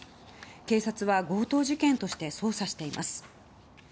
警察は強盗事件として捜査しています。